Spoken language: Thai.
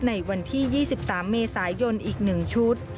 ในวันที่๒๓เมษายนอีก๑ชุด